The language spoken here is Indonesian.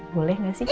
boleh gak sih